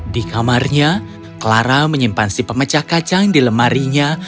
di kamarnya clara menyimpan si pemecah kacang di lemarinya